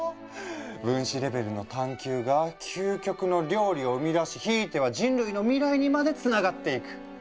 分子レベルの探究が究極の料理を生み出しひいては人類の未来にまでつながっていく。